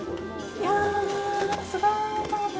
いやぁ、すごい。